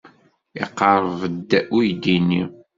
Iqerreb-d uydi-nni.